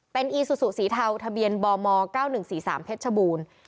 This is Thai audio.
เป็นอีซูซูสีเทาทะเบียนบม๙๑๔๓เพชรชบูรณ์